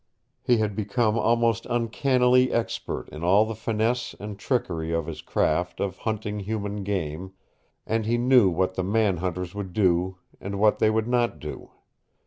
He had become almost uncannily expert in all the finesse and trickery of his craft of hunting human game, and he knew what the man hunters would do and what they would not do.